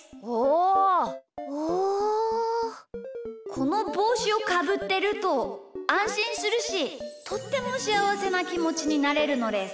このぼうしをかぶってるとあんしんするしとってもしあわせなきもちになれるのです。